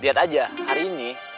lihat aja hari ini